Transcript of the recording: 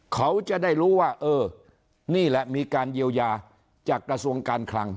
เขาจะได้รู้ว่าเออนี่แหละมีการเยียวยาจากกระทรวงการคลัง